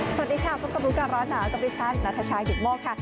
สวัสดีค่ะพบกับรู้ก่อนร้อนหนาวกับดิฉันนัทชายกิตโมกค่ะ